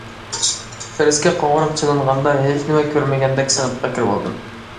دەرسكە قوڭغۇراق چېلىنغاندا ھېچنېمە كۆرمىگەندەك سىنىپقا كىرىۋالدىم.